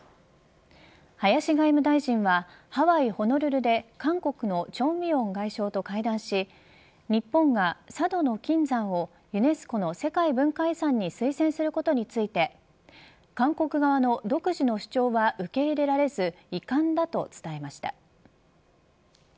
林外務大臣はハワイ、ホノルルで韓国の鄭義溶外相と会談し日本が佐渡の金山をユネスコの世界文化遺産に推薦することについて韓国側の独自の主張は受け入れられず遺憾だと伝えました。